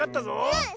うん。